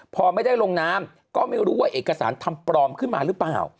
พอไม่ได้ลงนามก็ไม่รู้ว่าเอกสารทำปลอมขึ้นมาหรือเปล่า